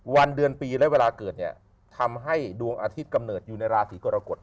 วันเดือนปีและเวลาเกิดเนี่ยทำให้ดวงอาทิตย์กำเนิดอยู่ในราศีกรกฎ